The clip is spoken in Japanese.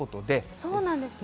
そうなんですね。